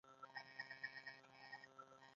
په هویت بحثونه، خو لومړیتوب باید ژوند ته ورکړل شي.